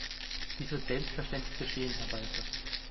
Dies wird selbstverständlich geschehen, Herr Balfe.